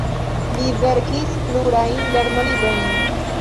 Li verkis plurajn lernolibrojn.